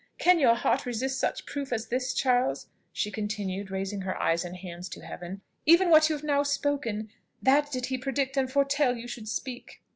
Can your heart resist such proof as this, Charles?" she continued, raising her eyes and hands to heaven: "even what you have now spoken, that did he predict and foretell you should speak!"